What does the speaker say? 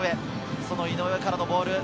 その井上からのボール。